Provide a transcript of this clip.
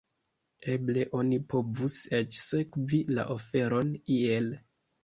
Eble oni povus eĉ sekvi la aferon iel.